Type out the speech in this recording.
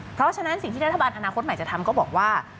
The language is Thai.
เพราะฉะนั้นสิ่งที่รัฐบาลอนาคตใหม่จะทำก็บอกว่า